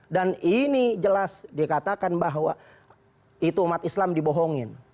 dan ini jelas dikatakan bahwa itu umat islam dibohongin